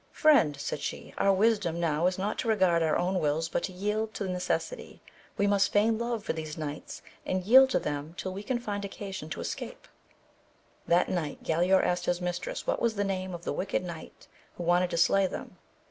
Friend, said she, our wisdom now is not to regard our own wills but to yield to necessity, we must feign love for these knights, and yield to them till we can find occasion to escape. That night Galaor asked his mistress what was the name of the wicked knight who wanted to slay them.